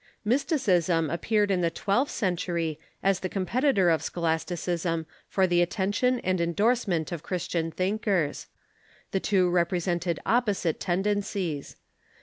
Mysticism appeared in the twelfth century as the compet itor of scholasticism for the attention and endorsement of Christian thinkers. The two represented opposite tendencies.